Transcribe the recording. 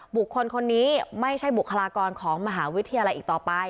บุคคลคนนี้ไม่ใช่บุคลากรของมหาวิทยาลัยอีกต่อไป